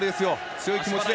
強い気持ちで。